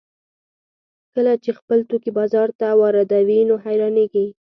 کله چې خپل توکي بازار ته واردوي نو حیرانېږي